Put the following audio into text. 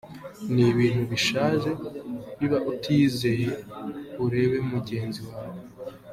Ni ibintu bishaje, niba utiyizeye urebe mugenzi wawe.